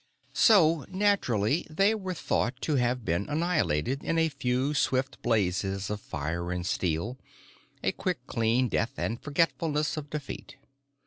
So naturally they were thought to have been annihilated in a few swift blazes of fire and steel, a quick clean death and forgetfulness of defeat.